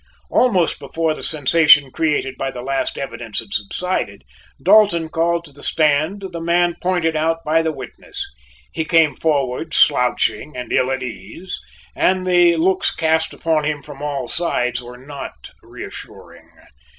Almost before the sensation created by the last evidence had subsided, Dalton called to the stand the man pointed out by the witness. He came forward slouching and ill at ease and the looks cast upon him from all sides were not reassuring.